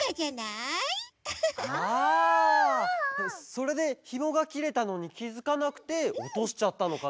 それでひもがきれたのにきづかなくておとしちゃったのかな？